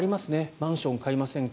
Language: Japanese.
マンション買いませんか？